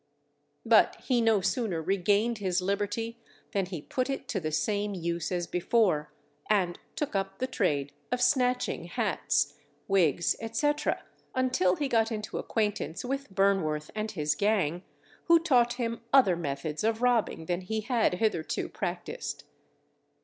But he no sooner regained his liberty than he put it to the same use as before, and took up the trade of snatching hats, wigs, etc., until he got into acquaintance with Burnworth and his gang, who taught him other methods of robbing than he had hitherto practised.